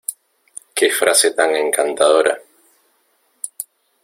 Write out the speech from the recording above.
Qué frase tan encantadora...